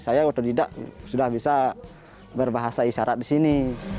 saya waktu tidak sudah bisa berbahasa isyarat di sini